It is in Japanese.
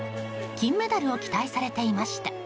金メダルを期待されていました。